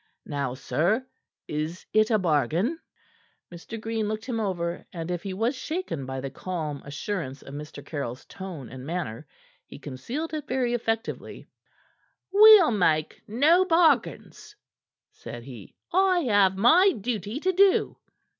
Now, sir! Is it a bargain?" Mr. Green looked him over, and if he was shaken by the calm assurance of Mr. Caryll's tone and manner, he concealed it very effectively. "We'll make no bargains," said he. "I have my duty to do."